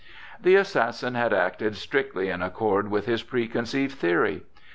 The assassin had acted strictly in accord with his preconceived theory.